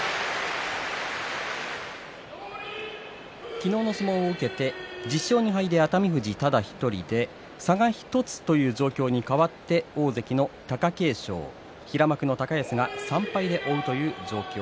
昨日の相撲を受けて１０勝２敗で熱海富士ただ１人で差が１つという状況に変わって大関の貴景勝、平幕の高安が３敗で追うという状況。